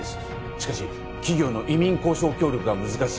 しかし企業の移民交渉協力が難しい